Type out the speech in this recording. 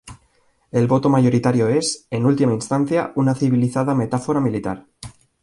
El voto mayoritario es, en última instancia, una civilizada metáfora militar.